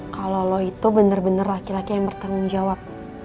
kalau lo itu benar benar laki laki yang bertanggung jawab